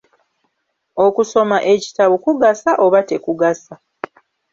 Okusoma ekitabo kugasa oba tekugasa?